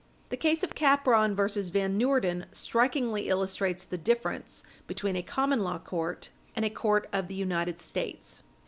The case of Capron v. Van Noorden strikingly illustrates the difference between a common law court and a court of the United States.